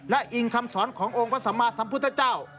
และอิงคำสอนขององค์พระสัมมาสัมพุทธเจ้า